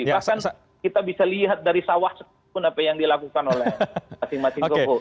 bahkan kita bisa lihat dari sawah sekalipun apa yang dilakukan oleh masing masing goko